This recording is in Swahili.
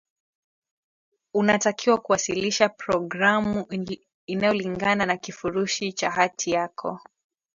unatakiwa kuwasilisha programu inayolingana na kifurushi cha hati yako